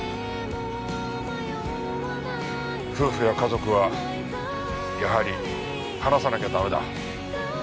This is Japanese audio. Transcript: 夫婦や家族はやはり話さなきゃダメだ。